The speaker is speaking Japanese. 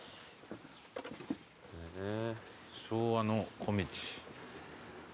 昭和の小路。